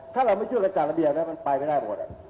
ถ้าเราไม่ช่วยกระจาดระเบียงนะมันไปไม่ได้หมด